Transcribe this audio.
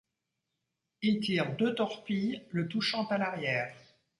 Il tire deux torpilles le touchant à l'arrière.